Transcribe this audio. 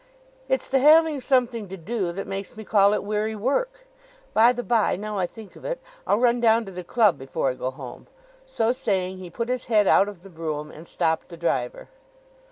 "It's the having something to do that makes me call it weary work. By the bye, now I think of it, I'll run down to the club before I go home." So saying he put his head out of the brougham, and stopped the driver.